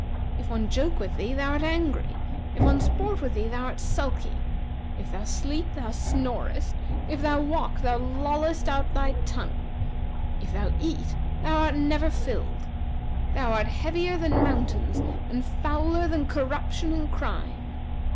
If one joke with thee, thou art angry; if one sport with thee, thou art sulky; if thou sleep, thou snorest if thou walk, thou lollest out thy tongue! if thou eat, thou art never filled. Thou art heavier than mountains and fouler than corruption and crime.